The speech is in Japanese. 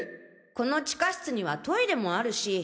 この地下室にはトイレもあるし。